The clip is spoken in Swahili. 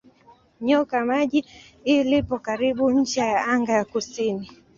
Nyoka Maji lipo karibu ncha ya anga ya kusini.